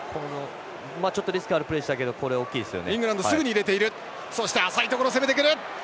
ちょっとリスクあるプレーでしたけれどこれは大きいですね。